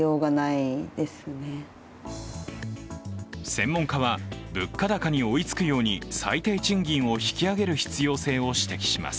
専門家は物価高に追いつくように最低賃金を引き上げる必要性を指摘します。